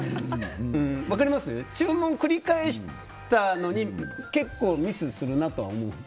注文を繰り返したのに結構ミスするなとも思うので。